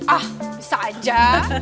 ah bisa aja